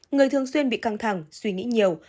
người thường xuyên bị căng thẳng suy nghĩ nhiều